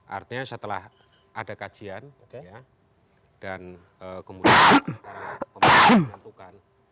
artinya setelah ada kajian dan kemudian sekarang kemudian ditentukan